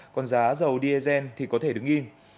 còn giá dầu dsn thì có thể đứng yên